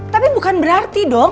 tapi bukan berarti dong